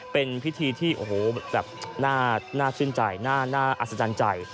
เป็นพิธีที่น่าชื่นใจน่าอัศจรรย์ใจ